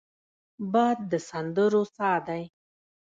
باد د سندرو سا دی